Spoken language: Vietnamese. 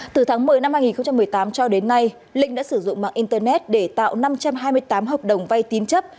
từ tháng một mươi năm hai nghìn một mươi tám cho đến nay linh đã sử dụng mạng internet để tạo năm trăm hai mươi tám hợp đồng vay tín chấp